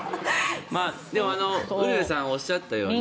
でも、ウルヴェさんがおっしゃったように。